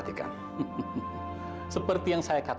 i this channel berbandingan yang lain